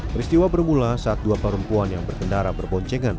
peristiwa bermula saat dua perempuan yang berkendara berboncengan